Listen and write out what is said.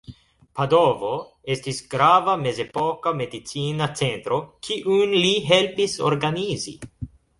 Padovo estis grava mezepoka medicina centro, kiun li helpis organizi.